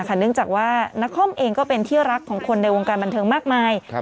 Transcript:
คันเนื่องจากว่านาคมเองก็เป็นเที่ยวรักของคนในวงการบิษัทมากมาย